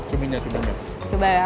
cuminya juga banyak